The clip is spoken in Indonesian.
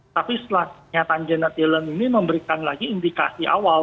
tapi setelah pernyataan janet yellen ini memberikan lagi indikasi awal